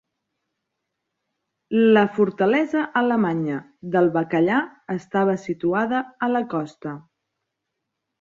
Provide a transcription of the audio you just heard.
La fortalesa alemanya del bacallà estava situada a la costa.